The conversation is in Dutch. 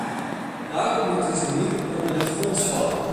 Daarom moeten ze niet onder het fonds vallen.